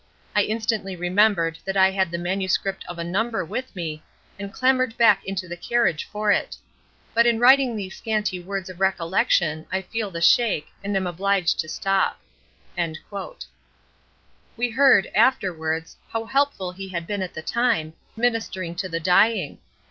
I instantly remembered that I had the MS. of a number with me, and clambered back into the carriage for it. But in writing these scanty words of recollection I feel the shake, and am obliged to stop." We heard, afterwards, how helpful he had been at the time, ministering to the dying!